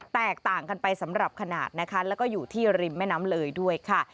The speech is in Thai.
แตกต่างกันไปสำหรับขนาดนะคะแล้วก็อยู่ที่ริมแม่น้ำเลยด้วยค่ะ